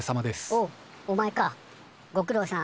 おうおまえかご苦労さん。